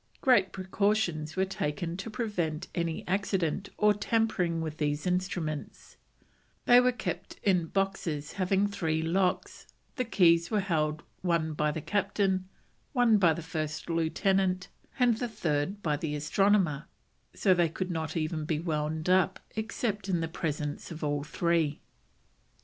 Great precautions were taken to prevent any accident or tampering with these instruments; they were kept in boxes having three locks, the keys were held one by the Captain, one by the first lieutenant, and the third by the astronomer, so they could not even be wound up except in the presence of all three.